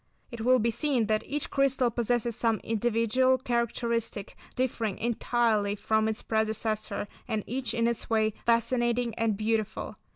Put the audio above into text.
It will be seen that each crystal possesses some individual characteristic differing entirely from its predecessor, and each, in its way, fascinating and beautiful.